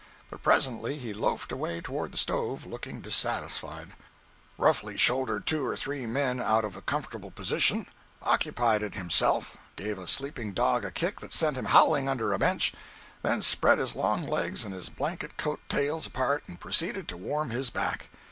But presently he loafed away toward the stove, looking dissatisfied; roughly shouldered two or three men out of a comfortable position; occupied it himself, gave a sleeping dog a kick that sent him howling under a bench, then spread his long legs and his blanket coat tails apart and proceeded to warm his back.